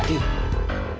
nanti silahkan silahkan